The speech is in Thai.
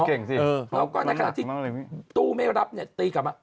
แล้วก็ในขณะที่ตู้ไม่รับเนี่ยตีกลับมา